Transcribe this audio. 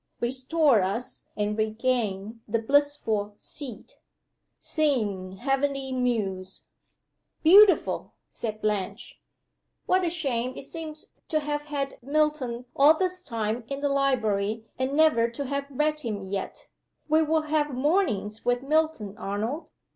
Restore us and regain the blissful seat. Sing heavenly Muse " "Beautiful!" said Blanche. "What a shame it seems to have had Milton all this time in the library and never to have read him yet! We will have Mornings with Milton, Arnold.